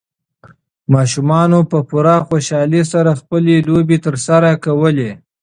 ماشومانو په پوره خوشالۍ سره خپلې لوبې ترسره کولې.